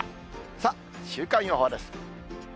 さあ、週間予報です。